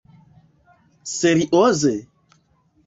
Serioze?